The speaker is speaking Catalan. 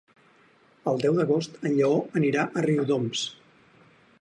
El deu d'agost en Lleó anirà a Riudoms.